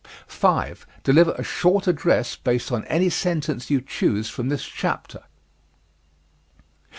5. Deliver a short address based on any sentence you choose from this chapter.